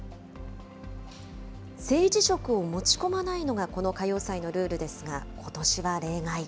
政治色を持ち込まないのがこの歌謡祭のルールですが、ことしは例外。